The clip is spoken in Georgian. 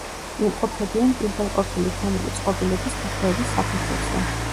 იმყოფებიან პირველყოფილი თემური წყობილების რღვევის საფეხურზე.